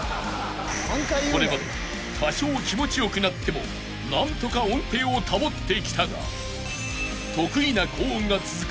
［これまで多少気持ちよくなっても何とか音程を保ってきたが得意な高音が続く